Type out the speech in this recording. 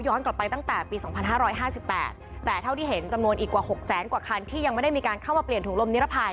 กลับไปตั้งแต่ปี๒๕๕๘แต่เท่าที่เห็นจำนวนอีกกว่า๖แสนกว่าคันที่ยังไม่ได้มีการเข้ามาเปลี่ยนถุงลมนิรภัย